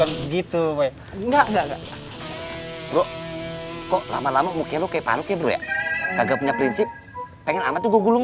enggak bro kok lama lama mukanya lu kayak paruk ya bro ya kagak punya prinsip pengen amat gua gulung